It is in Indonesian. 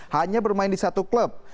hanya bermain di satu klub